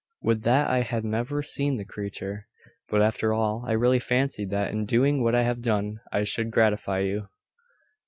'Would that I had never seen the creature! But, after all, I really fancied that in doing what I have done I should gratify you.